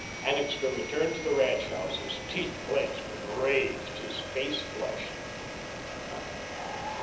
Annixter returned to the ranch house, his teeth clenched, enraged, his face flushed.